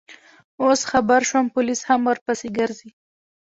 اوس خبر شوم، پولیس هم ورپسې ګرځي.